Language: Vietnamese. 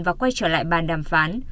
và quay trở lại bàn đàm phán